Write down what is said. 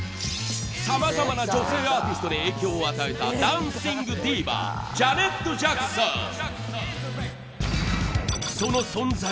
さまざまな女性アーティストに影響を与えたダンシングディーバジャネット・ジャクソン。